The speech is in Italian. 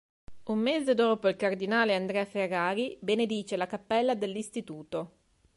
Un mese dopo il Cardinale Andrea Ferrari benedice la Cappella dell'Istituto.